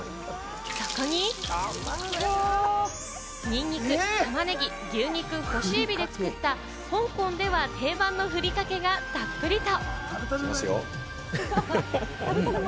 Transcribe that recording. そこにニンニク、玉ねぎ、牛肉、干しエビで作った、香港では定番のふりかけがたっぷりと！